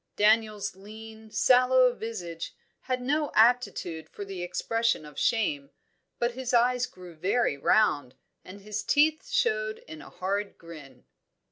Daniel's lean, sallow visage had no aptitude for the expression of shame, but his eyes grew very round, and his teeth showed in a hard grin.